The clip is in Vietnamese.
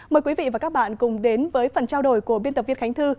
mời quý vị và các bạn cùng đến với phần trao đổi của biên tập viên khánh thư